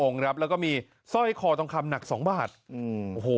ครับแล้วก็มีสร้อยคอทองคำหนักสองบาทอืมโอ้โห